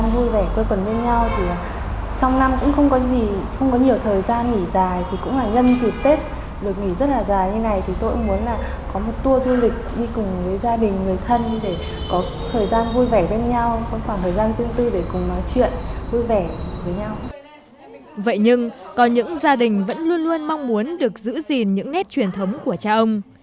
vậy nhưng có những gia đình vẫn luôn luôn mong muốn được giữ gìn những nét truyền thống của cha ông